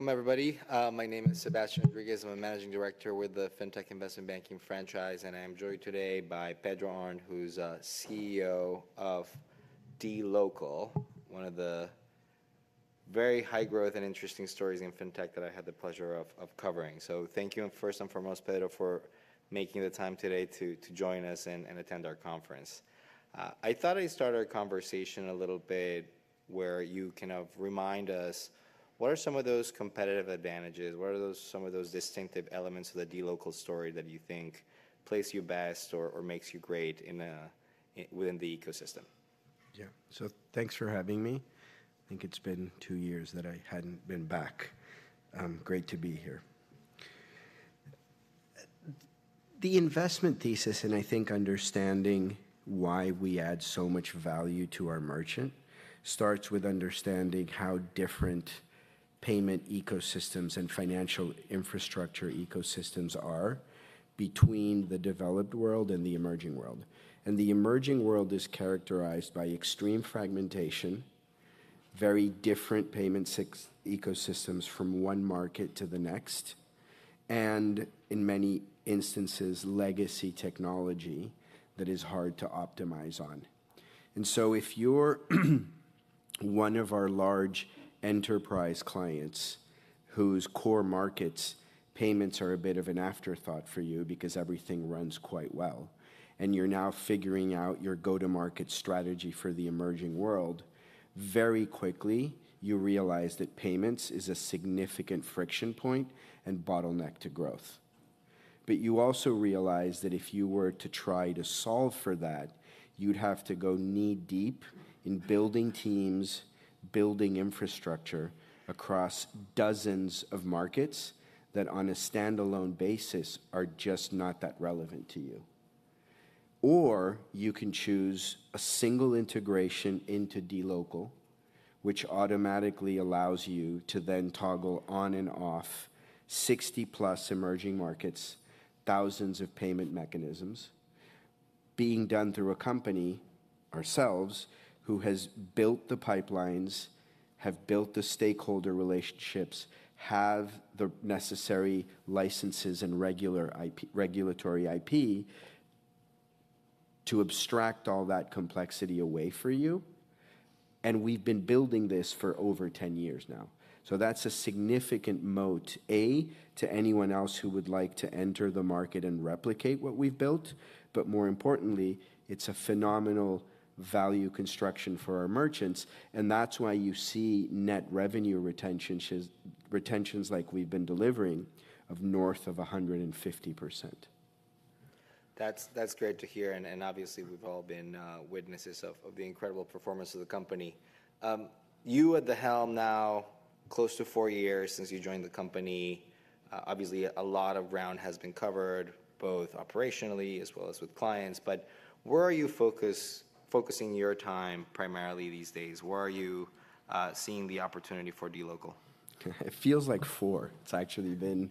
Welcome, everybody. My name is Sebastian Rodriguez. I'm a Managing Director with the Fintech Investment Banking franchise, and I am joined today by Pedro Arnt, who's CEO of dLocal, one of the very high growth and interesting stories in Fintech that I had the pleasure of covering. Thank you first and foremost, Pedro, for making the time today to join us and attend our conference. I thought I'd start our conversation a little bit where you kind of remind us what are some of those competitive advantages, what are some of those distinctive elements of the dLocal story that you think place you best or makes you great within the ecosystem? Yeah. Thanks for having me. I think it's been two years that I hadn't been back. Great to be here. The investment thesis, and I think understanding why we add so much value to our merchant, starts with understanding how different payment ecosystems and financial infrastructure ecosystems are between the developed world and the emerging world. The emerging world is characterized by extreme fragmentation, very different payment ecosystems from one market to the next, and in many instances, legacy technology that is hard to optimize on. If you're one of our large enterprise clients whose core markets payments are a bit of an afterthought for you because everything runs quite well, and you're now figuring out your go-to-market strategy for the emerging world, very quickly you realize that payments is a significant friction point and bottleneck to growth. You also realize that if you were to try to solve for that, you'd have to go knee-deep in building teams, building infrastructure across dozens of markets that on a standalone basis are just not that relevant to you. Or you can choose a single integration into dLocal, which automatically allows you to then toggle on and off 60+ emerging markets, thousands of payment mechanisms being done through a company, ourselves, who has built the pipelines, have built the stakeholder relationships, have the necessary licenses and regulatory IP to abstract all that complexity away for you, and we've been building this for over 10 years now. That's a significant moat, A, to anyone else who would like to enter the market and replicate what we've built. More importantly, it's a phenomenal value construction for our merchants, and that's why you see net revenue retentions like we've been delivering of north of 150%. That's great to hear, and obviously we've all been witnesses of the incredible performance of the company. You at the helm now close to four years since you joined the company. Obviously a lot of ground has been covered both operationally as well as with clients. Where are you focusing your time primarily these days? Where are you seeing the opportunity for dLocal? It feels like four. It's actually been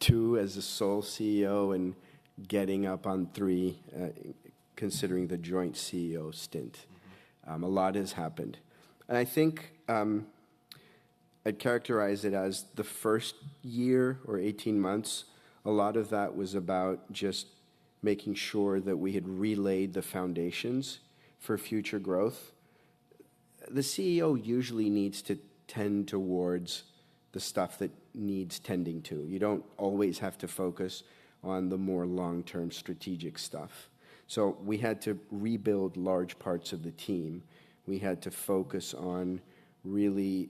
two as a sole CEO and getting up on three, considering the joint CEO stint. A lot has happened. I think, I'd characterize it as the first year or 18 months, a lot of that was about just making sure that we had relayed the foundations for future growth. The CEO usually needs to tend towards the stuff that needs tending to. You don't always have to focus on the more long-term strategic stuff. We had to rebuild large parts of the team. We had to focus on really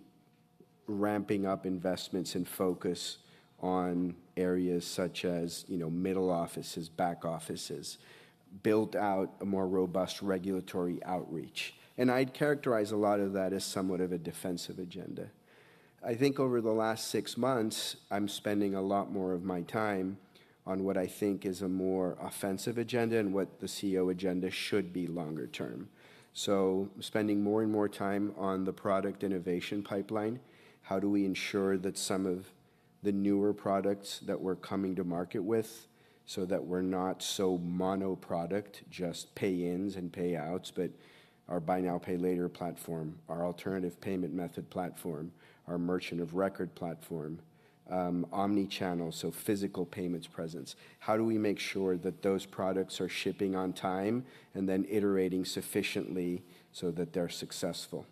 ramping up investments and focus on areas such as, you know, middle offices, back offices, built out a more robust regulatory outreach. I'd characterize a lot of that as somewhat of a defensive agenda. I think over the last six months, I'm spending a lot more of my time on what I think is a more offensive agenda and what the CEO agenda should be longer term. Spending more and more time on the product innovation pipeline. How do we ensure that some of the newer products that we're coming to market with so that we're not so mono-product, just pay-ins and payouts, but our buy now, pay later platform, our alternative payment method platform, our merchant of record platform, omnichannel, so physical payments presence. How do we make sure that those products are shipping on time and then iterating sufficiently so that they're successful?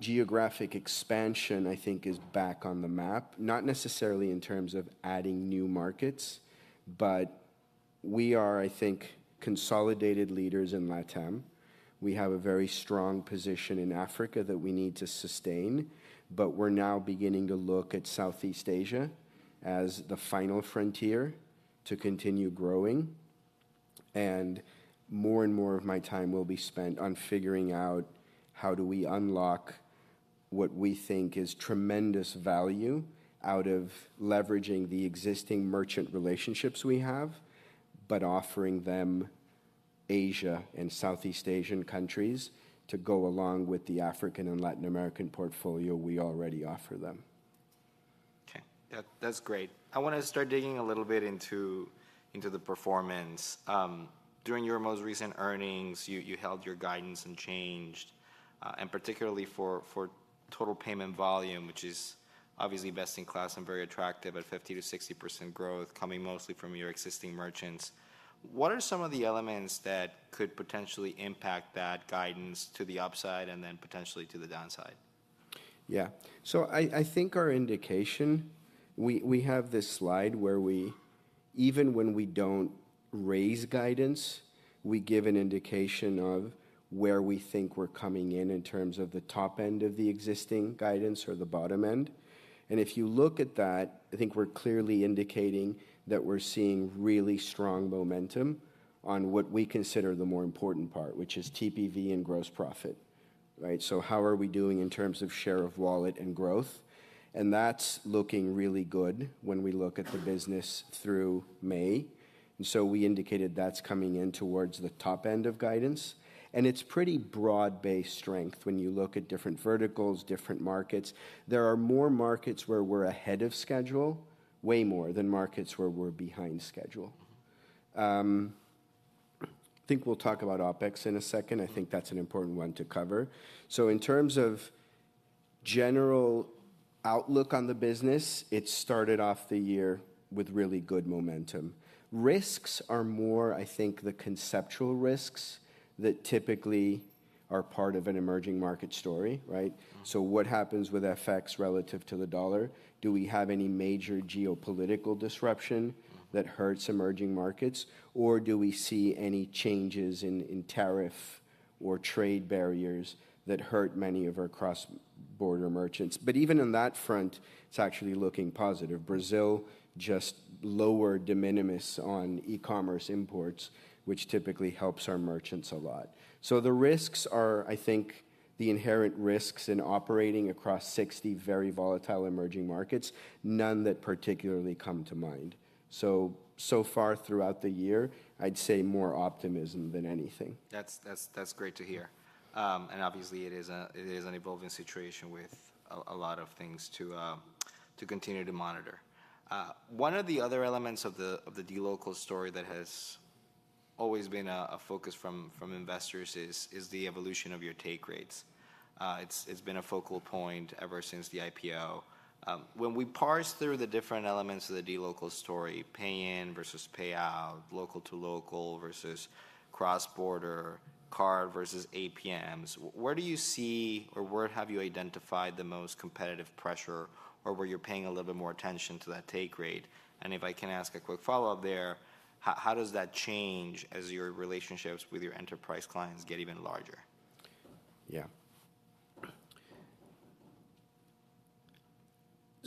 Geographic expansion, I think, is back on the map, not necessarily in terms of adding new markets, but we are, I think, consolidated leaders in LATAM. We have a very strong position in Africa that we need to sustain, but we're now beginning to look at Southeast Asia as the final frontier to continue growing. More and more of my time will be spent on figuring out how do we unlock what we think is tremendous value out of leveraging the existing merchant relationships we have, but offering them Asia and Southeast Asian countries to go along with the African and Latin American portfolio we already offer them. Okay. That's great. I wanna start digging a little bit into the performance. During your most recent earnings, you held your guidance unchanged, and particularly for Total Payment Volume, which is obviously best in class and very attractive at 50%-60% growth coming mostly from your existing merchants. What are some of the elements that could potentially impact that guidance to the upside and then potentially to the downside? Yeah. I think our indication, we have this slide where we even when we don't raise guidance, we give an indication of where we think we're coming in in terms of the top end of the existing guidance or the bottom end. If you look at that, I think we're clearly indicating that we're seeing really strong momentum on what we consider the more important part, which is TPV and gross profit, right? How are we doing in terms of share of wallet and growth? That's looking really good when we look at the business through May. We indicated that's coming in towards the top end of guidance, and it's pretty broad-based strength when you look at different verticals, different markets. There are more markets where we're ahead of schedule, way more than markets where we're behind schedule. I think we'll talk about OpEx in a second. I think that's an important one to cover. In terms of general outlook on the business, it started off the year with really good momentum. Risks are more, I think, the conceptual risks that typically are part of an emerging market story, right? What happens with FX relative to the dollar? Do we have any major geopolitical disruption that hurts emerging markets? Or do we see any changes in tariff or trade barriers that hurt many of our cross-border merchants? Even on that front, it's actually looking positive. Brazil just lowered de minimis on e-commerce imports, which typically helps our merchants a lot. The risks are, I think, the inherent risks in operating across 60 very volatile emerging markets, none that particularly come to mind. So far throughout the year, I'd say more optimism than anything. That's great to hear. Obviously it is an evolving situation with a lot of things to continue to monitor. One of the other elements of the dLocal story that has always been a focus from investors is the evolution of your take rates. It's been a focal point ever since the IPO. When we parse through the different elements of the dLocal story, pay in versus pay out, local to local versus cross-border, card versus APMs, where do you see or where have you identified the most competitive pressure or where you're paying a little bit more attention to that take rate? If I can ask a quick follow-up there, how does that change as your relationships with your enterprise clients get even larger?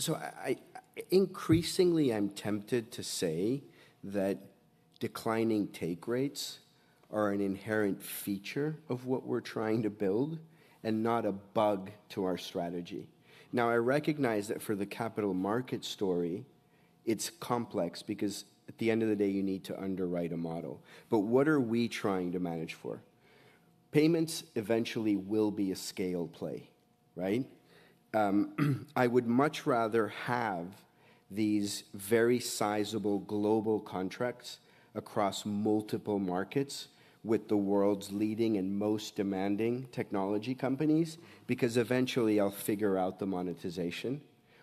I increasingly am tempted to say that declining take rates are an inherent feature of what we're trying to build and not a bug to our strategy. Now, I recognize that for the capital market story, it's complex because at the end of the day, you need to underwrite a model. What are we trying to manage for? Payments eventually will be a scale play, right? I would much rather have these very sizable global contracts across multiple markets with the world's leading and most demanding technology companies, because eventually I'll figure out the monetization.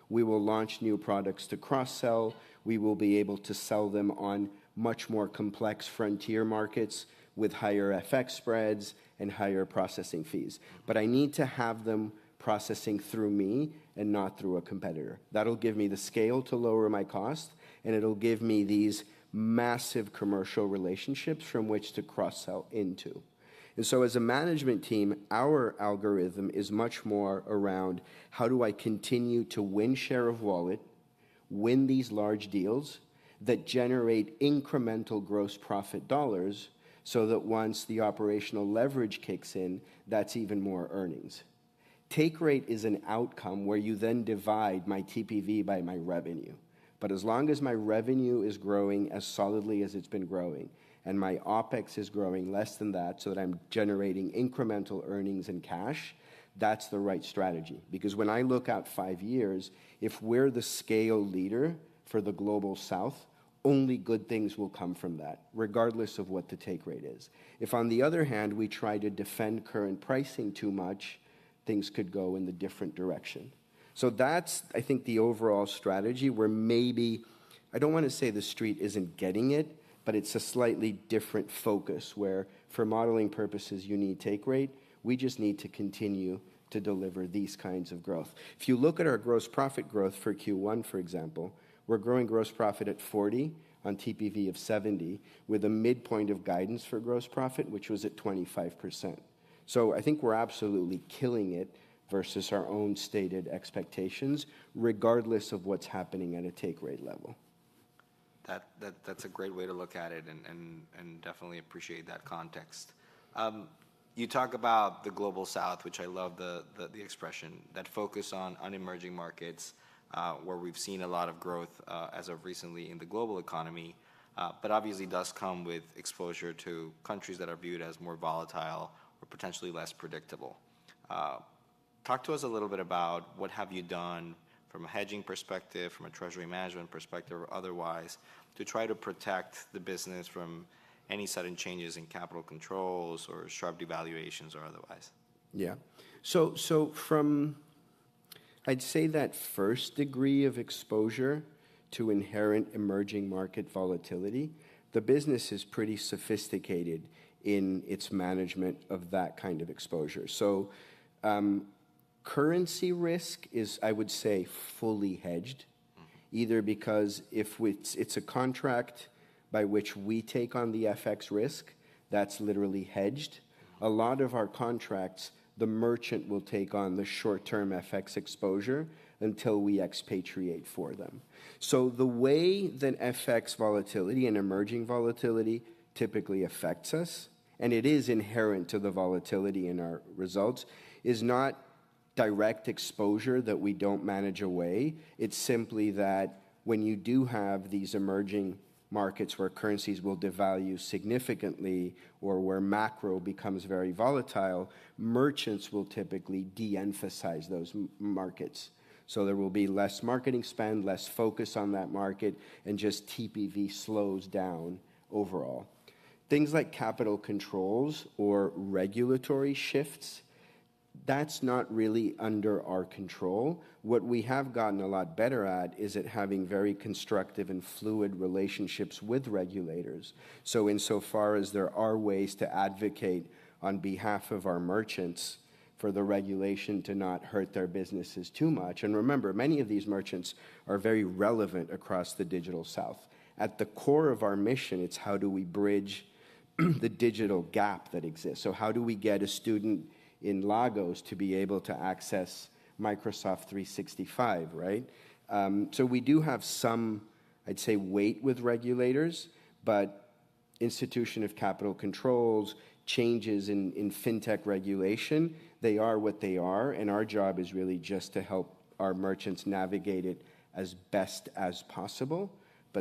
We will launch new products to cross-sell. We will be able to sell them on much more complex frontier markets with higher FX spreads and higher processing fees. I need to have them processing through me and not through a competitor. That'll give me the scale to lower my cost, and it'll give me these massive commercial relationships from which to cross-sell into. As a management team, our algorithm is much more around how do I continue to win share of wallet, win these large deals that generate incremental gross profit dollars so that once the operational leverage kicks in, that's even more earnings. Take rate is an outcome where you then divide my TPV by my revenue. As long as my revenue is growing as solidly as it's been growing, and my OpEx is growing less than that so that I'm generating incremental earnings and cash, that's the right strategy. Because when I look out five years, if we're the scale leader for the Global South, only good things will come from that, regardless of what the take rate is. If on the other hand, we try to defend current pricing too much, things could go in the different direction. That's, I think, the overall strategy where maybe, I don't wanna say the Street isn't getting it, but it's a slightly different focus where for modeling purposes you need take rate. We just need to continue to deliver these kinds of growth. If you look at our gross profit growth for Q1, for example, we're growing gross profit at 40% on TPV of 70% with a midpoint of guidance for gross profit, which was at 25%. I think we're absolutely killing it versus our own stated expectations, regardless of what's happening at a take rate level. That's a great way to look at it and definitely appreciate that context. You talk about the Global South, which I love the expression, that focus on emerging markets, where we've seen a lot of growth as of recently in the global economy, but obviously does come with exposure to countries that are viewed as more volatile or potentially less predictable. Talk to us a little bit about what have you done from a hedging perspective, from a treasury management perspective or otherwise to try to protect the business from any sudden changes in capital controls or sharp devaluations or otherwise? From I'd say that first degree of exposure to inherent emerging market volatility, the business is pretty sophisticated in its management of that kind of exposure. Currency risk is, I would say, fully hedged either because if it's a contract by which we take on the FX risk, that's literally hedged. A lot of our contracts, the merchant will take on the short-term FX exposure until we expatriate for them. The way that FX volatility and emerging volatility typically affects us, and it is inherent to the volatility in our results, is not direct exposure that we don't manage away. It's simply that when you do have these emerging markets where currencies will devalue significantly or where macro becomes very volatile, merchants will typically de-emphasize those markets. There will be less marketing spend, less focus on that market, and just TPV slows down overall. Things like capital controls or regulatory shifts, that's not really under our control. What we have gotten a lot better at is at having very constructive and fluid relationships with regulators, so insofar as there are ways to advocate on behalf of our merchants for the regulation to not hurt their businesses too much. Remember, many of these merchants are very relevant across the digital south. At the core of our mission, it's how do we bridge the digital gap that exists? How do we get a student in Lagos to be able to access Microsoft 365, right? We do have some, I'd say, weight with regulators, but institution of capital controls, changes in fintech regulation, they are what they are, and our job is really just to help our merchants navigate it as best as possible.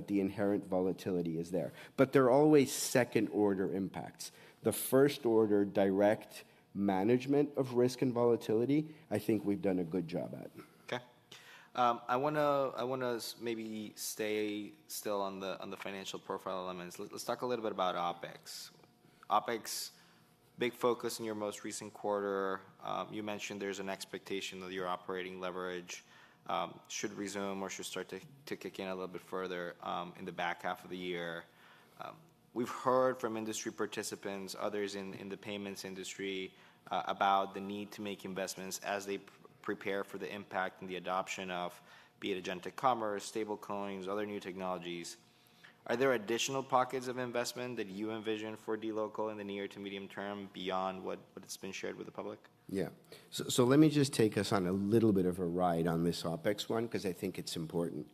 The inherent volatility is there. There are always second-order impacts. The first order direct management of risk and volatility, I think we've done a good job at. Okay. I wanna maybe stay still on the financial profile elements. Let's talk a little bit about OpEx. OpEx, big focus in your most recent quarter. You mentioned there's an expectation that your operating leverage should resume or should start to kick in a little bit further in the back half of the year. We've heard from industry participants, others in the payments industry, about the need to make investments as they prepare for the impact and the adoption of be it agentic commerce, stablecoins, other new technologies. Are there additional pockets of investment that you envision for dLocal in the near to medium-term beyond what has been shared with the public? Yeah. Let me just take us on a little bit of a ride on this OpEx one because I think it's important.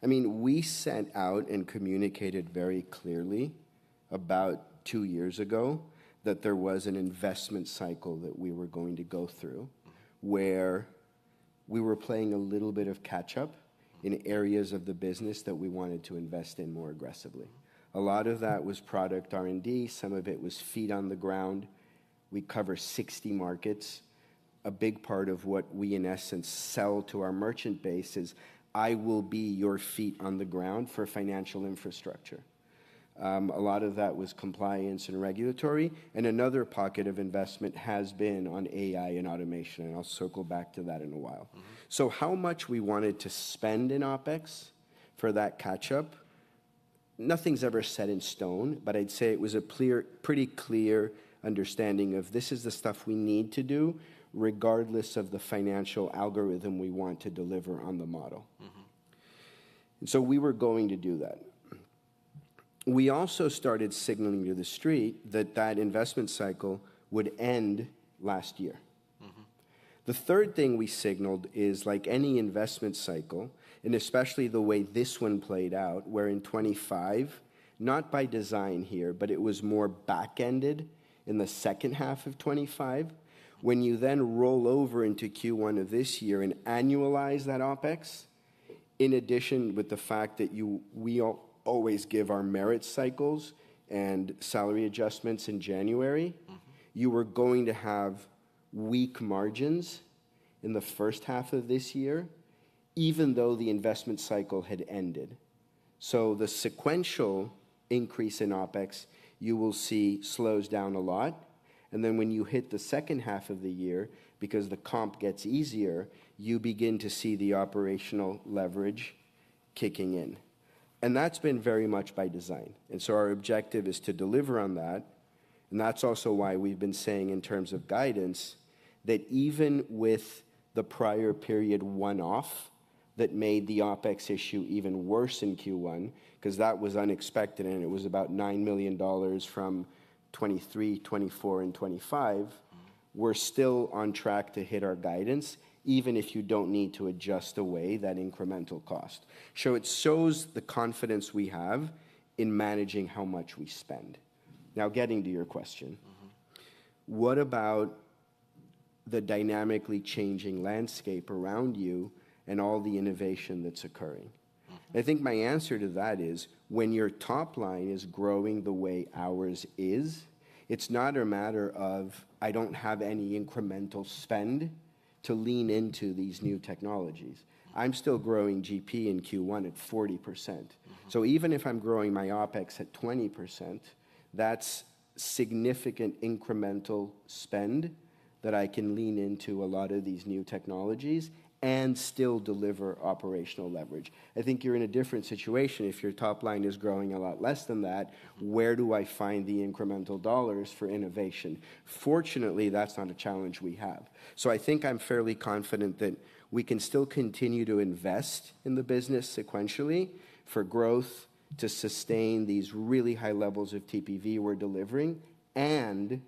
I mean, we set out and communicated very clearly about two years ago that there was an investment cycle that we were going to go through where we were playing a little bit of catch-up in areas of the business that we wanted to invest in more aggressively. A lot of that was product R&D. Some of it was feet on the ground. We cover 60 markets. A big part of what we, in essence, sell to our merchant base is, "I will be your feet on the ground for financial infrastructure." A lot of that was compliance and regulatory, and another pocket of investment has been on AI and automation, and I'll circle back to that in a while. How much we wanted to spend in OpEx for that catch-up, nothing's ever set in stone, but I'd say it was a clear, pretty clear understanding of this is the stuff we need to do regardless of the financial algorithm we want to deliver on the model. We were going to do that. We also started signaling to the street that that investment cycle would end last year. The third thing we signaled is like any investment cycle, and especially the way this one played out, where in 2025, not by design here, but it was more back-ended in the second half of 2025. When you then roll over into Q1 of this year and annualize that OpEx, in addition with the fact that we always give our merit cycles and salary adjustments in January. We were going to have weak margins in the first half of this year, even though the investment cycle had ended. The sequential increase in OpEx you will see slows down a lot, then when you hit the second half of the year, because the comp gets easier, you begin to see the operational leverage kicking in. That's been very much by design. Our objective is to deliver on that, and that's also why we've been saying in terms of guidance that even with the prior period one-off that made the OpEx issue even worse in Q1, 'cause that was unexpected and it was about $9 million from 2023, 2024, and 2025. We're still on track to hit our guidance even if you don't need to adjust away that incremental cost. It shows the confidence we have in managing how much we spend. Now getting to your question. What about the dynamically changing landscape around you and all the innovation that's occurring? I think my answer to that is when your top line is growing the way ours is, it's not a matter of I don't have any incremental spend to lean into these new technologies. I'm still growing GP in Q1 at 40%. Even if I'm growing my OpEx at 20%, that's significant incremental spend that I can lean into a lot of these new technologies and still deliver operational leverage. I think you're in a different situation if your top line is growing a lot less than that, where do I find the incremental dollars for innovation? Fortunately, that's not a challenge we have. I think I'm fairly confident that we can still continue to invest in the business sequentially for growth to sustain these really high levels of TPV we're delivering and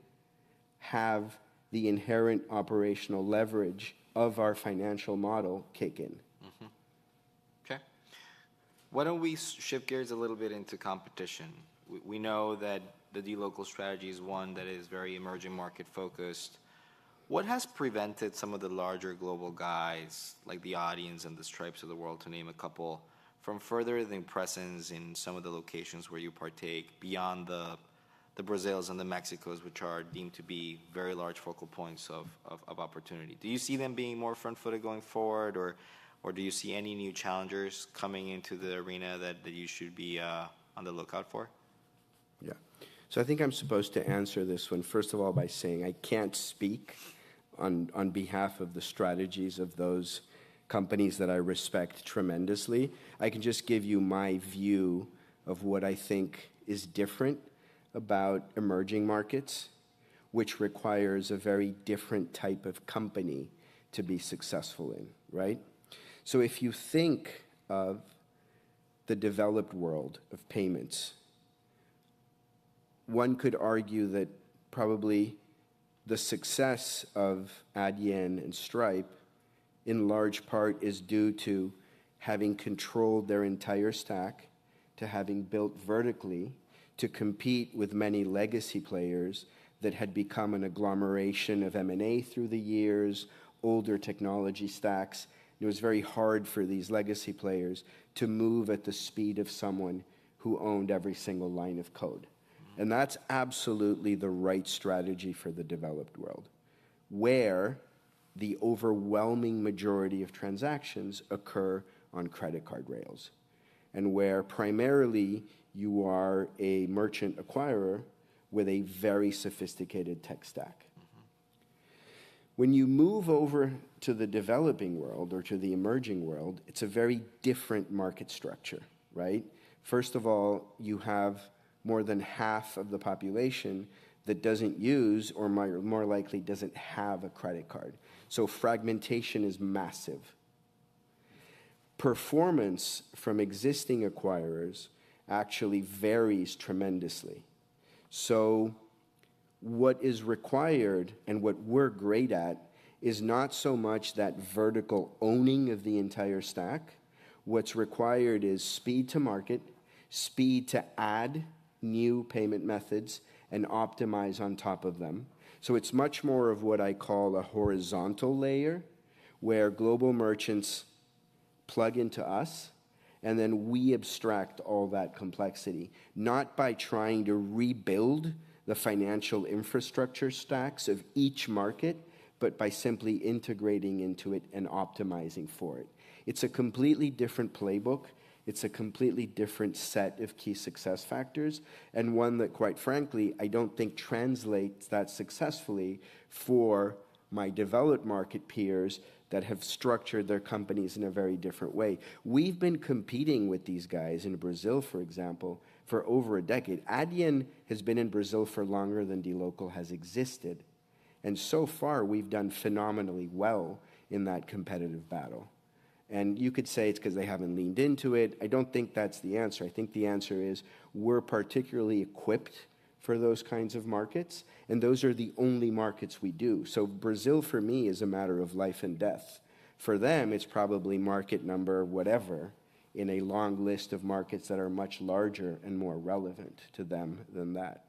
have the inherent operational leverage of our financial model kick in. Mm-hmm. Okay. Why don't we shift gears a little bit into competition? We know that the dLocal strategy is one that is very emerging market focused. What has prevented some of the larger global guys, like the Adyens and the Stripes of the world, to name a couple, from further their presence in some of the locations where you partake beyond the Brazils and the Mexicos, which are deemed to be very large focal points of opportunity? Do you see them being more front-footed going forward, or do you see any new challengers coming into the arena that you should be on the lookout for? Yeah. I think I'm supposed to answer this one first of all by saying I can't speak on behalf of the strategies of those companies that I respect tremendously. I can just give you my view of what I think is different about emerging markets, which requires a very different type of company to be successful in, right? If you think of the developed world of payments, one could argue that probably the success of Adyen and Stripe in large part is due to having controlled their entire stack, to having built vertically to compete with many legacy players that had become an agglomeration of M&A through the years, older technology stacks. It was very hard for these legacy players to move at the speed of someone who owned every single line of code. That's absolutely the right strategy for the developed world, where the overwhelming majority of transactions occur on credit card rails, and where primarily you are a merchant acquirer with a very sophisticated tech stack. When you move over to the developing world or to the emerging world, it's a very different market structure, right? First of all, you have more than half of the population that doesn't use or more likely doesn't have a credit card. Fragmentation is massive. Performance from existing acquirers actually varies tremendously. What is required and what we're great at is not so much that vertical owning of the entire stack. What's required is speed to market, speed to add new payment methods, and optimize on top of them. It's much more of what I call a horizontal layer, where global merchants plug into us, and then we abstract all that complexity, not by trying to rebuild the financial infrastructure stacks of each market, but by simply integrating into it and optimizing for it. It's a completely different playbook. It's a completely different set of key success factors, and one that quite frankly I don't think translates that successfully for my developed market peers that have structured their companies in a very different way. We've been competing with these guys in Brazil, for example, for over a decade. Adyen has been in Brazil for longer than dLocal has existed, and so far we've done phenomenally well in that competitive battle. You could say it's 'cause they haven't leaned into it. I don't think that's the answer. I think the answer is we're particularly equipped for those kinds of markets, and those are the only markets we do. Brazil, for me, is a matter of life and death. For them, it's probably market number whatever in a long list of markets that are much larger and more relevant to them than that.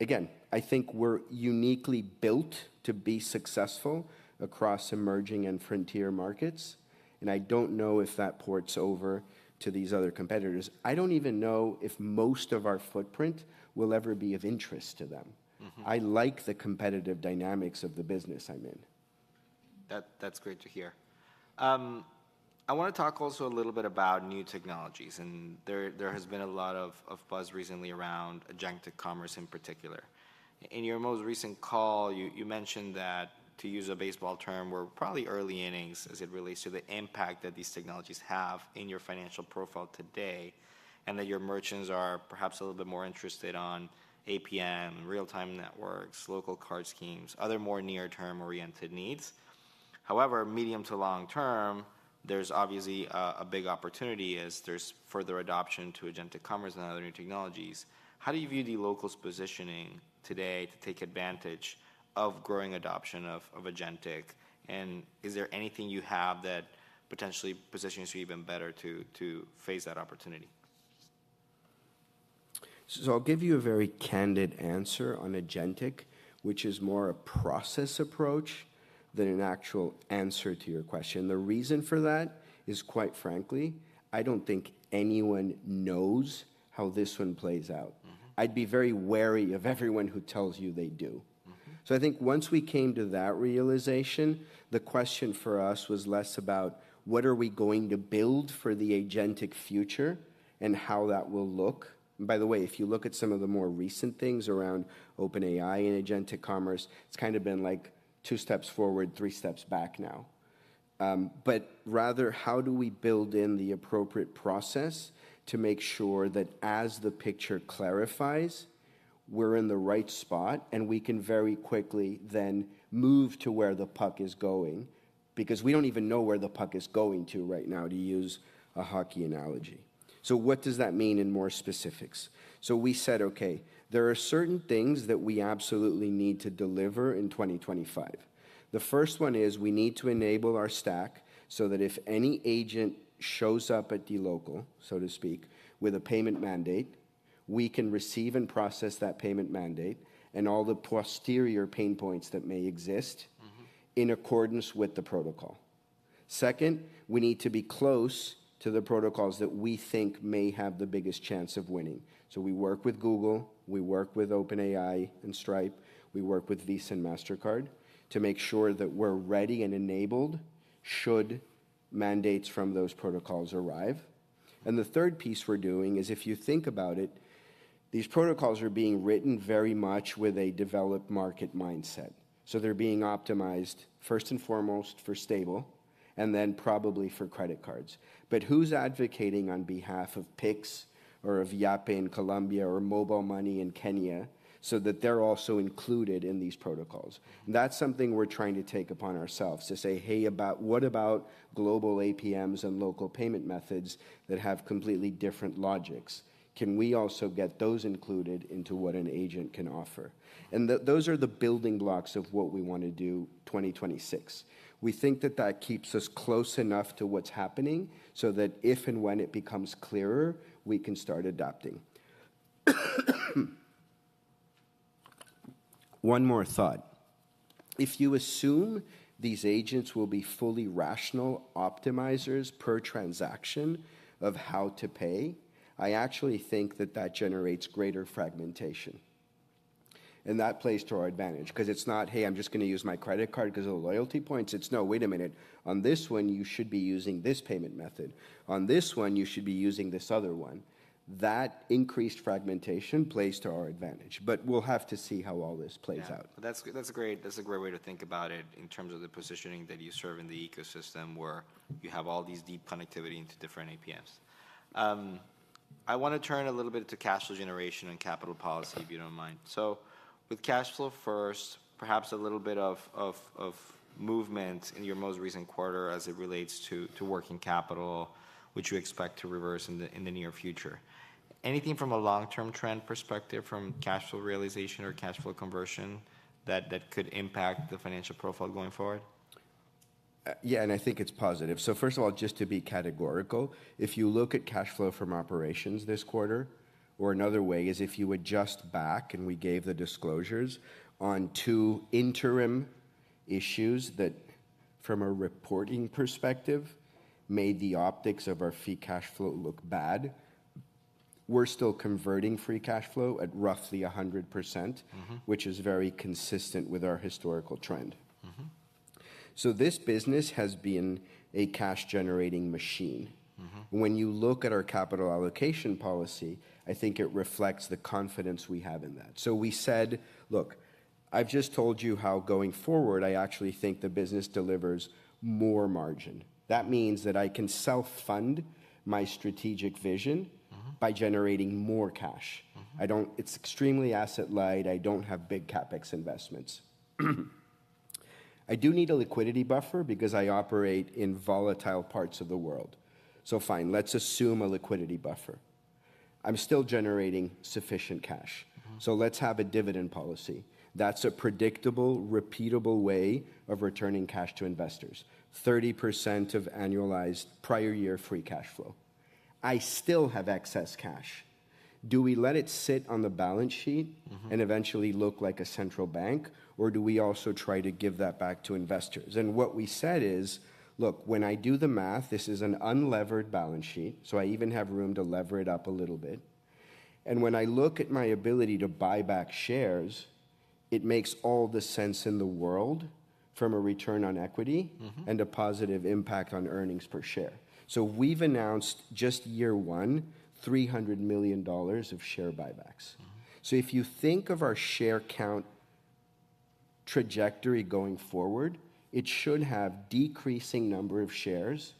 Again, I think we're uniquely built to be successful across emerging and frontier markets, and I don't know if that ports over to these other competitors. I don't even know if most of our footprint will ever be of interest to them. I like the competitive dynamics of the business I'm in. That's great to hear. I wanna talk also a little bit about new technologies, and there has been a lot of buzz recently around agentic commerce in particular. In your most recent call, you mentioned that, to use a baseball term, we're probably early innings as it relates to the impact that these technologies have in your financial profile today, and that your merchants are perhaps a little bit more interested on APM, real-time networks, local card schemes, other more near-term-oriented needs. However, medium to long-term, there's obviously a big opportunity as there's further adoption to agentic commerce and other new technologies. How do you view dLocal's positioning today to take advantage of growing adoption of agentic, and is there anything you have that potentially positions you even better to face that opportunity? I'll give you a very candid answer on agentic, which is more a process approach than an actual answer to your question. The reason for that is, quite frankly, I don't think anyone knows how this one plays out. I'd be very wary of everyone who tells you they do. I think once we came to that realization, the question for us was less about what are we going to build for the agentic future and how that will look. By the way, if you look at some of the more recent things around OpenAI and agentic commerce, it's kind of been like two steps forward, three steps back now. Rather how do we build in the appropriate process to make sure that as the picture clarifies, we're in the right spot and we can very quickly then move to where the puck is going because we don't even know where the puck is going to right now, to use a hockey analogy. What does that mean in more specifics? We said, okay, there are certain things that we absolutely need to deliver in 2025. The first one is we need to enable our stack so that if any agent shows up at dLocal, so to speak, with a payment mandate, we can receive and process that payment mandate and all the posterior pain points that may exist in accordance with the protocol. Second, we need to be close to the protocols that we think may have the biggest chance of winning. We work with Google, we work with OpenAI and Stripe, we work with Visa and Mastercard to make sure that we're ready and enabled should mandates from those protocols arrive. The third piece we're doing is if you think about it, these protocols are being written very much with a developed market mindset. They're being optimized first and foremost for stable and then probably for credit cards. Who's advocating on behalf of Pix or of Yape in Colombia or Mobile Money in Kenya so that they're also included in these protocols? That's something we're trying to take upon ourselves to say, "Hey, what about global APMs and local payment methods that have completely different logics? Can we also get those included into what an agent can offer? Those are the building blocks of what we wanna do 2026. We think that that keeps us close enough to what's happening so that if and when it becomes clearer, we can start adapting. One more thought. If you assume these agents will be fully rational optimizers per transaction of how to pay, I actually think that that generates greater fragmentation, and that plays to our advantage ’cause it's not, "Hey, I'm just gonna use my credit card ’cause of the loyalty points." It's, "No, wait a minute. On this one, you should be using this payment method. On this one, you should be using this other one." That increased fragmentation plays to our advantage, we'll have to see how all this plays out. That's a great way to think about it in terms of the positioning that you serve in the ecosystem where you have all these deep connectivity into different APMs. I wanna turn a little bit to cash flow generation and capital policy, if you don't mind. With cash flow first, perhaps a little bit of movement in your most recent quarter as it relates to working capital, which you expect to reverse in the near future. Anything from a long-term trend perspective from cash flow realization or cash flow conversion that could impact the financial profile going forward? Yeah, and I think it's positive. First of all, just to be categorical, if you look at cash flow from operations this quarter, or another way is if you adjust back, and we gave the disclosures on two interim issues that from a reporting perspective made the optics of our free cash flow look bad, we're still converting free cash flow at roughly 100% which is very consistent with our historical trend. This business has been a cash-generating machine. When you look at our capital allocation policy, I think it reflects the confidence we have in that. We said, "Look, I've just told you how going forward I actually think the business delivers more margin. That means that I can self-fund my strategic vision by generating more cash. It's extremely asset light. I don't have big CapEx investments. I do need a liquidity buffer because I operate in volatile parts of the world. So fine, let's assume a liquidity buffer. I'm still generating sufficient cash. Let's have a dividend policy. That's a predictable, repeatable way of returning cash to investors. 30% of annualized prior year free cash flow. I still have excess cash. Do we let it sit on the balance sheet and eventually look like a central bank or do we also try to give that back to investors? What we said is, "Look, when I do the math, this is an unlevered balance sheet, so I even have room to lever it up a little bit. When I look at my ability to buy back shares, it makes all the sense in the world from a return on equity and a positive impact on earnings per share." We've announced just year one, $300 million of share buybacks. If you think of our share count trajectory going forward, it should have decreasing number of shares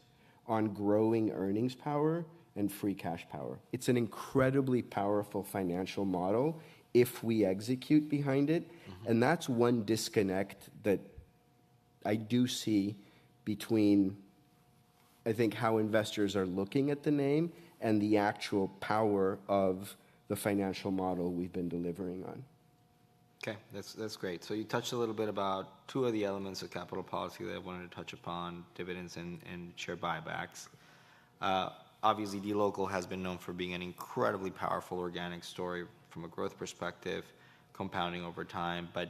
on growing earnings power and free cash power. It's an incredibly powerful financial model if we execute behind it. That's one disconnect that I do see between, I think, how investors are looking at the name and the actual power of the financial model we've been delivering on. Okay, that's great. You touched a little bit about two of the elements of capital policy that I wanted to touch upon, dividends and share buybacks. Obviously, dLocal has been known for being an incredibly powerful organic story from a growth perspective compounding over time, but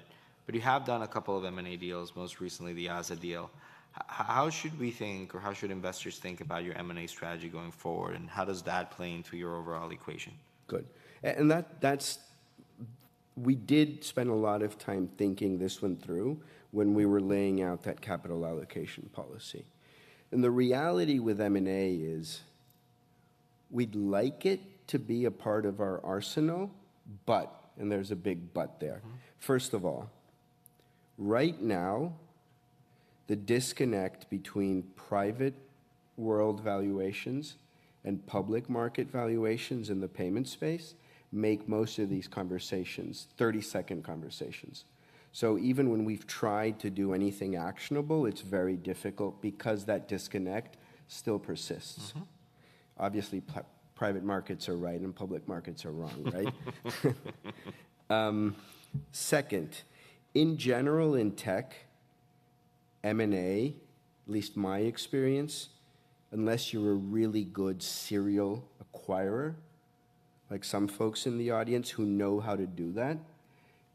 you have done a couple of M&A deals, most recently the AZA deal. How should we think or how should investors think about your M&A strategy going forward and how does that play into your overall equation? Good. We did spend a lot of time thinking this one through when we were laying out that capital allocation policy. The reality with M&A is we'd like it to be a part of our arsenal, but, and there's a big but there. First of all, right now the disconnect between private world valuations and public market valuations in the payment space make most of these conversations 30-second conversations. Even when we've tried to do anything actionable, it's very difficult because that disconnect still persists. Obviously private markets are right and public markets are wrong, right? Second, in general in tech, M&A, at least my experience, unless you're a really good serial acquirer, like some folks in the audience who know how to do that,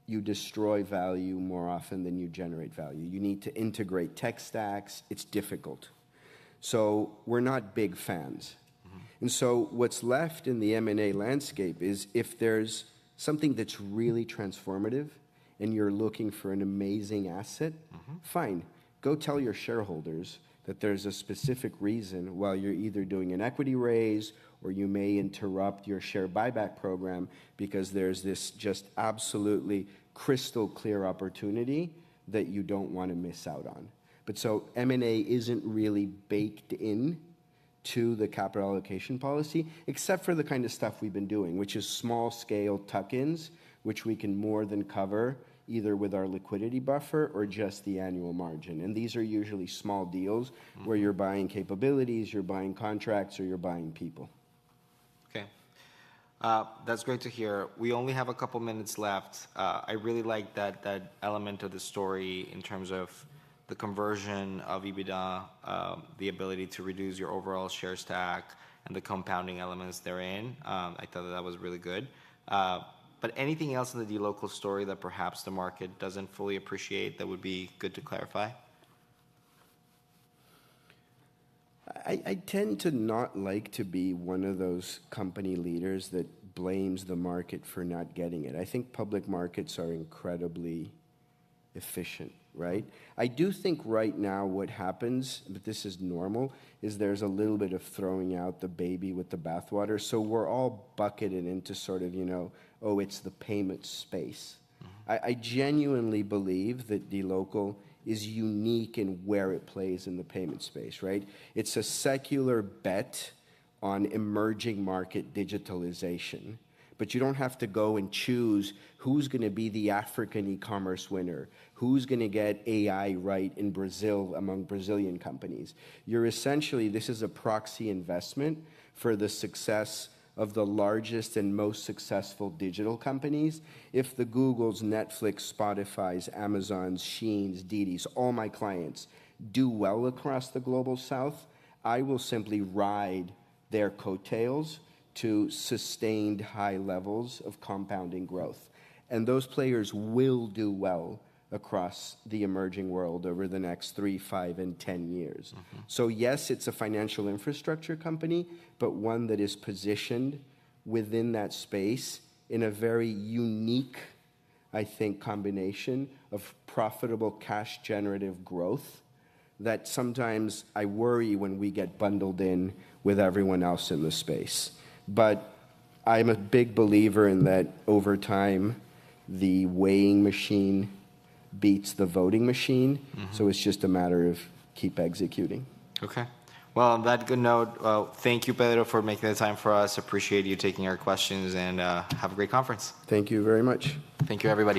you destroy value more often than you generate value. You need to integrate tech stacks. It's difficult. We're not big fans. What's left in the M&A landscape is if there's something that's really transformative and you're looking for an amazing asset, fine, go tell your shareholders that there's a specific reason why you're either doing an equity raise or you may interrupt your share buyback program because there's this just absolutely crystal clear opportunity that you don't wanna miss out on. M&A isn't really baked in to the capital allocation policy except for the kind of stuff we've been doing, which is small scale tuck-ins, which we can more than cover either with our liquidity buffer or just the annual margin, and these are usually small deals where you're buying capabilities, you're buying contracts, or you're buying people. Okay. That's great to hear. We only have a couple minutes left. I really like that element of the story in terms of the conversion of EBITDA, the ability to reduce your overall share stack and the compounding elements therein. I thought that that was really good. Anything else in the dLocal story that perhaps the market doesn't fully appreciate that would be good to clarify? I tend to not like to be one of those company leaders that blames the market for not getting it. I think public markets are incredibly efficient, right? I do think right now what happens, but this is normal, is there's a little bit of throwing out the baby with the bathwater. We're all bucketed into sort of, you know, "Oh, it's the payment space." I genuinely believe that dLocal is unique in where it plays in the payment space, right? It's a secular bet on emerging market digitalization, you don't have to go and choose who's gonna be the African e-commerce winner, who's gonna get AI right in Brazil among Brazilian companies. This is a proxy investment for the success of the largest and most successful digital companies. If the Googles, Netflix, Spotify, Amazon, Shein, DiDi, all my clients do well across the Global South, I will simply ride their coattails to sustained high levels of compounding growth, and those players will do well across the emerging world over the next three, five, and 10 years. Yes, it's a financial infrastructure company, but one that is positioned within that space in a very unique, I think, combination of profitable cash generative growth that sometimes I worry when we get bundled in with everyone else in the space. I'm a big believer in that over time the weighing machine beats the voting machine. It's just a matter of keep executing. Okay. Well, on that good note, thank you, Pedro, for making the time for us. Appreciate you taking our questions. Have a great conference. Thank you very much. Thank you, everybody.